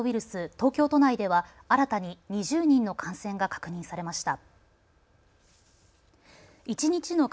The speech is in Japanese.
東京都内では新たに２０人の感染が確認されました。